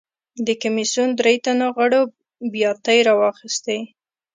د کمېسیون درې تنو غړو بیاتۍ راواخیستې.